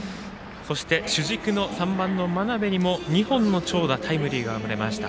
そして、主軸の３番の真鍋にも２本の長打タイムリーが生まれました。